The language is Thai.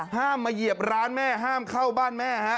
ห้ามมาเหยียบร้านแม่ห้ามเข้าบ้านแม่ฮะ